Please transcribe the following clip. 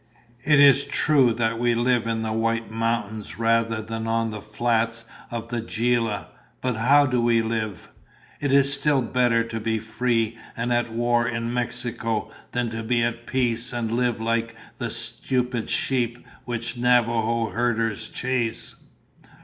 "It is true that we live in the White Mountains rather than on the flats of the Gila, but how do we live? It is still better to be free and at war in Mexico than to be at peace and live like the stupid sheep which Navajo herders chase."